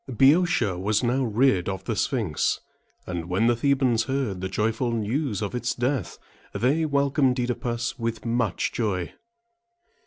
Boeotia was now rid of the Sphinx; and when the The´bans heard the joyful news of its death, they welcomed OEdipus with much joy.